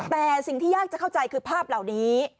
แต่สิ่งที่ยากจะเข้าใจคือภาพเหล่านี้